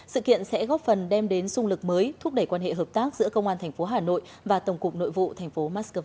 sự kiện sẽ góp phần đem đến sung lực mới thúc đẩy quan hệ hợp tác giữa công an tp hà nội và tổng cục nội vụ tp hcm